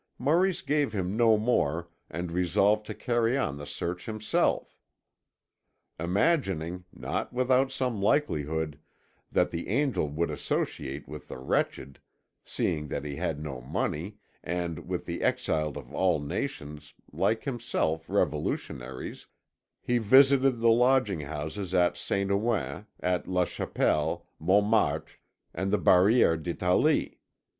Maurice gave him no more and resolved to carry on the search himself. Imagining, not without some likelihood, that the angel would associate with the wretched, seeing that he had no money, and with the exiled of all nations like himself, revolutionaries he visited the lodging houses at St. Ouen, at la Chapelle, Montmartre, and the Barrière d'Italie.